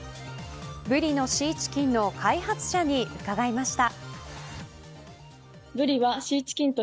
ブリのシーチキンの開発者に伺いました。